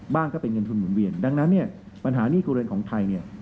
บ้างก็เป็นเงินทุนหมุนเวียนดังนั้นปัญหานี้ครัวเรือนของไทย